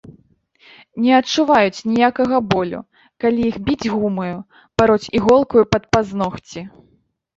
Не адчуваюць ніякага болю, калі іх біць гумаю, пароць іголкаю пад пазногці.